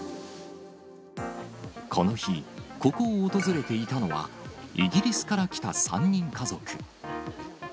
この日、ここを訪れていたのは、イギリスから来た３人家族。